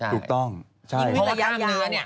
ถูกต้องใช่วิ่งวิ่งระยะยาวว่ะใช่